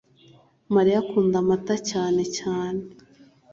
mariya akunda amata cyane cyane